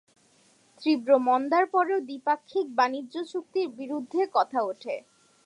তীব্র মন্দার পরও দ্বিপাক্ষিক বাণিজ্য চুক্তির বিরুদ্ধে কথা ওঠে।